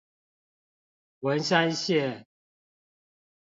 文山線